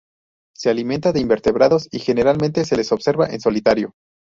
Se alimenta de invertebrados y generalmente se le observa en solitario.